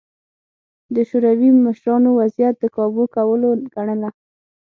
د شوروي مشرانو وضعیت د کابو کولو ګڼله